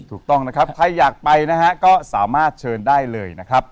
ถูกต้องนะครับใครอยากไปนะฮะก็สามารถเชิญได้เลยนะครับ